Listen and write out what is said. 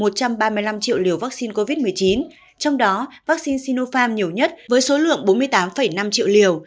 một trăm ba mươi năm triệu liều vắc xin covid một mươi chín trong đó vắc xin sinopharm nhiều nhất với số lượng bốn mươi tám năm triệu liều